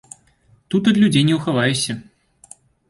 Тут ад людзей не ўхаваешся.